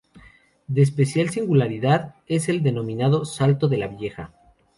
De especial singularidad es el denominado "Salto de la Vieja".